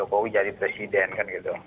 jokowi jadi presiden kan gitu